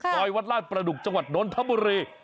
วัดลาดประดุกจังหวัดนนทบุรี